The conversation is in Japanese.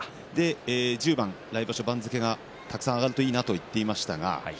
１０番、来場所はたくさん番付が上がるといいなと言っていました。